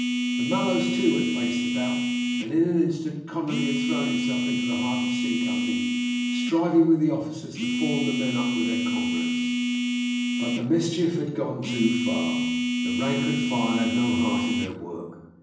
The Mallows, too, had faced about, and in an instant Conolly had thrown himself into the heart of C Company, striving with the officers to form the men up with their comrades. But the mischief had gone too far. The rank and file had no heart in their work.